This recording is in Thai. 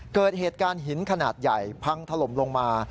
เกิดเหตุการณ์หินขนาดใหญ่พังถล่มลงมา